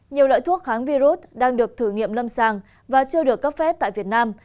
nhiều loại thuốc kháng virus đang được thử nghiệm lâm sàng và chưa được cấp phép tại việt nam